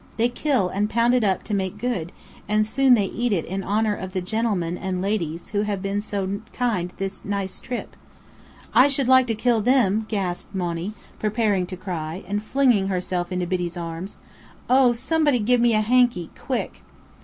They kill and pound it up to make it good, and soon they eat in honour of the genelmen and ladies who have been so kind this naice trip." "I should like to kill them!" gasped Monny, preparing to cry, and flinging herself into Biddy's arms. "Oh somebody give me a hanky quick!"